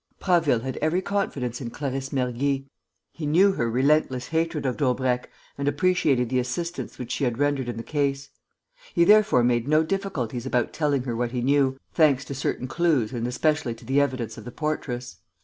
Prasville had every confidence in Clarisse Mergy. He knew her relentless hatred of Daubrecq and appreciated the assistance which she had rendered in the case. He therefore made no difficulties about telling her what he knew, thanks to certain clues and especially to the evidence of the portress.